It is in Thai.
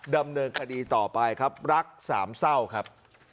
ดำเนินคดีต่อไปครับรักสามเศร้าครับ